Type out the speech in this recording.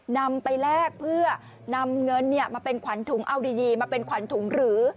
นำไปแลกเพื่อนำเงินมาเป็นขวัญถุงเอาดีมาเป็นขวัญถุงหรือ